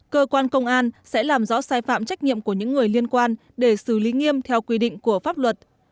cơ quan công an sẽ làm rõ sai phạm trách nhiệm của những người liên quan để xử lý nghiêm theo quy định của pháp luật